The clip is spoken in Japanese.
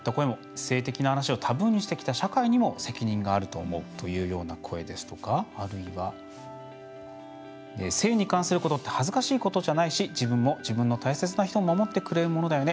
性的な話をタブーにしてきた社会にも責任があるというような声ですとかあるいは、性に関することって恥ずかしいことじゃないし自分も自分の大切な人も守ってくれるものだよね。